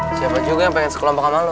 eh siapa juga yang pengen sekelompok sama lo